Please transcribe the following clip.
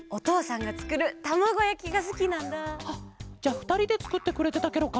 じゃあふたりでつくってくれてたケロか。